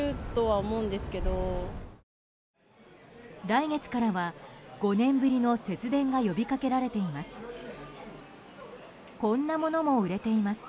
来月からは５年ぶりの節電が呼びかけられています。